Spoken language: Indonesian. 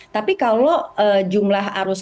tapi kalau jumlah arus